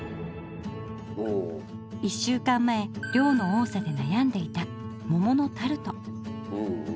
１週間前量の多さで悩んでいた桃のタルト。